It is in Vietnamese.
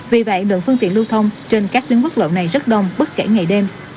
vì vậy lượng phương tiện lưu thông trên các tuyến quốc lộ này rất đông bất kể ngày đêm